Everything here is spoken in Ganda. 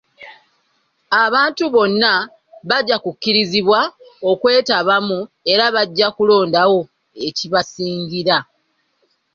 Abantu bonna bajja kukkirizibwa okwetabamu era bajja kulondawo ekibasingira.